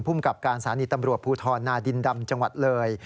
ภูมิกับการสถานีตำรวจภูทรนาดินดำจังหวัดเลย